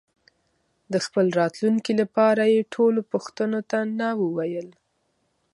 د خپل راتلونکي لپاره یې ټولو پوښتنو ته نه وویل.